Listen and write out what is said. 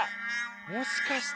もしかして。